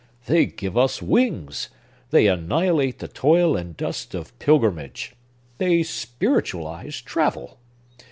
They give us wings; they annihilate the toil and dust of pilgrimage; they spiritualize travel!